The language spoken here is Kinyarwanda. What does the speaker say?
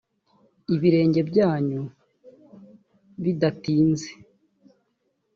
ibirenge byanyu bidatinze